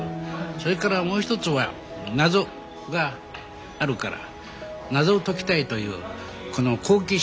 それからもう一つは謎があるから謎を解きたいというこの好奇心。